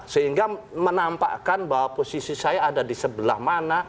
sehingga menampakkan bahwa posisi saya ada di sebelah mana